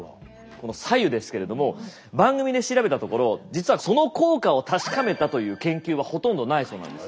この白湯ですけれども番組で調べたところ実はその効果を確かめたという研究はほとんどないそうなんです。